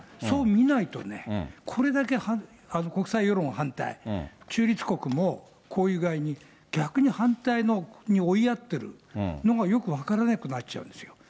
そう見ないとね、これだけ国際世論反対、中立国もこういう具合に逆に反対に追いやってるのがよく分からなくなっちゃうんですよ。